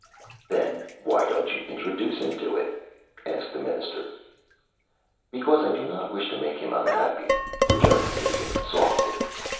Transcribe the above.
"Then why don't you introduce him to it?" asked the Minister. "Because I do not wish to make him unhappy," returned the Idiot, softly.